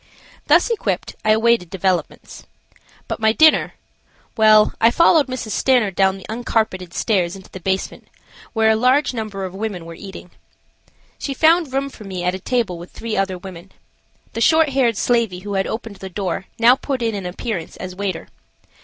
Thus equipped I awaited developments. But my dinner–well, I followed Mrs. Stanard down the uncarpeted stairs into the basement; where a large number of women were eating. She found room for me at a table with three other women. The short haired slavey who had opened the door now put in an appearance as waiter.